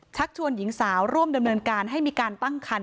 ชักชวนหญิงสาวร่วมดำเนินการให้มีการตั้งคัน